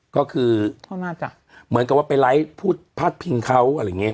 ก็คือเหมือนกับว่าไปไลท์พัดพิงเค้า